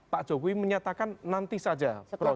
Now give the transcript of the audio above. pak jokowi menyatakan nanti saja